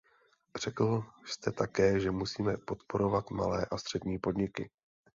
Řekl jste také, že musíme podporovat malé a střední podniky.